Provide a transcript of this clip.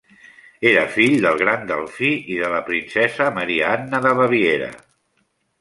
Era fill del Gran Delfí i de la princesa Maria Anna de Baviera.